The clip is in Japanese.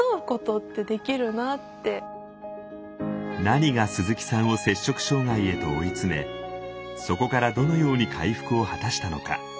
何が鈴木さんを摂食障害へと追い詰めそこからどのように回復を果たしたのか？